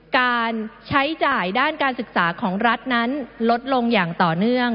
การใช้จ่ายด้านการศึกษาของรัฐนั้นลดลงอย่างต่อเนื่อง